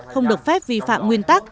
không được phép vi phạm nguyên tắc